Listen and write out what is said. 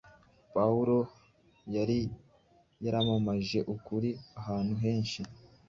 Pawulo yari yaramamaje ukuri ahantu henshi;